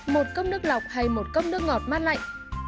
một cốc nước lọc hay một cốc nước ngọt mát lạnh